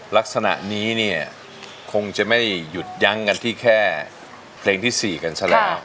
ลักษณะนี้เนี่ยคงจะไม่หยุดยั้งกันที่แค่เพลงที่๔กันซะแล้ว